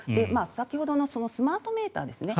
先ほどのスマートメーターですね